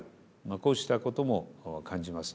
こうしたことも感じます。